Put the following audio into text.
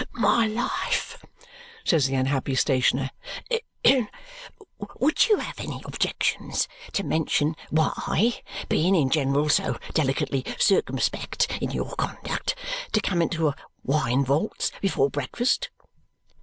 "My life," says the unhappy stationer, "would you have any objections to mention why, being in general so delicately circumspect in your conduct, you come into a wine vaults before breakfast?"